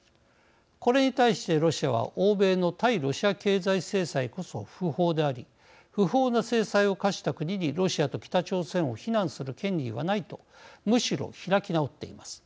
これに対してロシアは欧米の対ロシア経済制裁こそ不法であり不法な制裁を科した国にロシアと北朝鮮を非難する権利はないと、むしろ開き直っています。